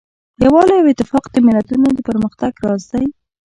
یووالی او اتفاق د ملتونو د پرمختګ راز دی.